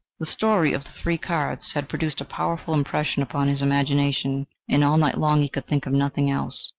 The story of the three cards had produced a powerful impression upon his imagination, and all night long he could think of nothing else.